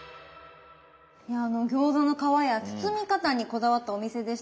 餃子の皮や包み方にこだわったお店でしたが。